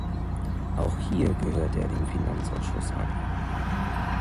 Auch hier gehörte er dem Finanzausschuss an.